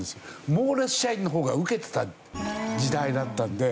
モーレツ社員の方が受けてた時代だったので。